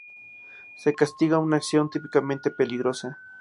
Se castiga una acción típicamente peligrosa.